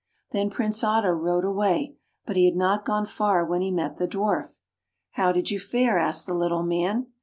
Then Prince Otto rode away. But he had not gone far when he met the Dwarf. "How did you fare?" asked the Little Man.